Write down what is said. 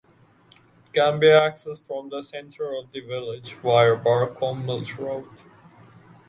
It can be accessed from the centre of the village via Barcombe Mills Road.